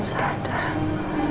sampe gak mungkin epidermis